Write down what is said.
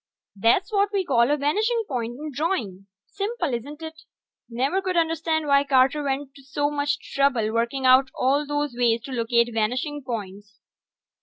That's what we call a vanishing point in drawing. Simple, isn't it? Never could understand why Carter went to so much trouble working out all those ways to locate vanishing points.